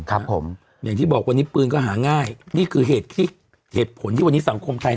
ครับผมอย่างที่บอกวันนี้ปืนก็หาง่ายนี่คือเหตุที่เหตุผลที่วันนี้สังคมไทย